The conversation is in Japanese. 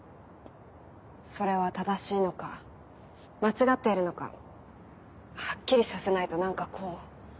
それは正しいのか間違っているのかはっきりさせないと何かこう。